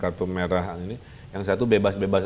kartu merah ini yang satu bebas bebas